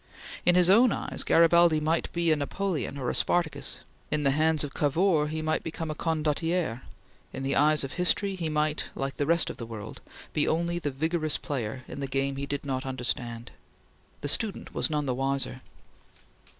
In his own eyes Garibaldi might be a Napoleon or a Spartacus; in the hands of Cavour he might become a Condottiere; in the eyes of history he might, like the rest of the world, be only the vigorous player in the game he did not understand. The student was none the wiser.